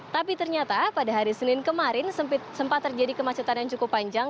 tapi ternyata pada hari senin kemarin sempat terjadi kemacetan yang cukup panjang